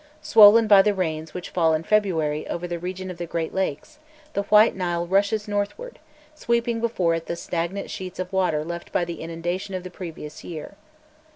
Swollen by the rains which fall in February over the region of the Great Lakes, the White Nile rushes northward, sweeping before it the stagnant sheets of water left by the inundation of the previous year.